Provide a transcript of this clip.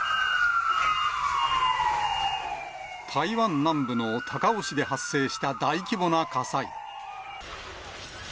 台湾南部の高雄市で発生した大規模な火災。